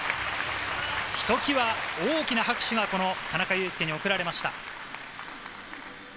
ひときわ大きな拍手がこの田中佑典に送られました。